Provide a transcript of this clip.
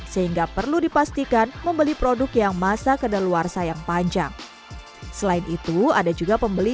sehingga perlu dipastikan membeli produk yang masa kedaluarsa yang panjang selain itu ada juga pembeli